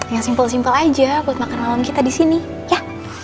yang simple simple aja buat makan malam kita disini ya